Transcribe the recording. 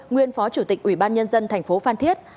nguyên phó chủ tịch ủy ban nhân dân tp phan thiết